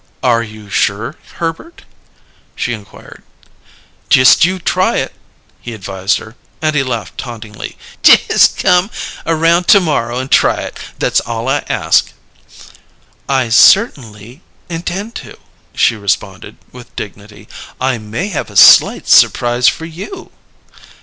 "Are you sure, Herbert?" she inquired. "Just you try it!" he advised her, and he laughed tauntingly. "Just come around to morrow and try it; that's all I ask!" "I cert'nly intend to," she responded with dignity. "I may have a slight supprise for you."